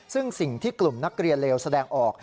ซึ่งสิ่งที่กลุ่มนักเรียนเลวแสดงออก